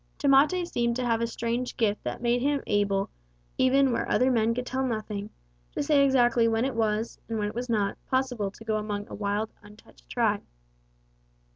Tamate seemed to have a strange gift that made him able, even where other men could tell nothing, to say exactly when it was, and when it was not, possible to go among a wild, untouched tribe.